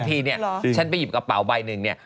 บริการพี่นี่ฉันไปหยิบกระเป๋าใบหนึ่งเนี่ย